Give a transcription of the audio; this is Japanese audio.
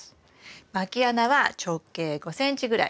まき穴は直径５ｃｍぐらい。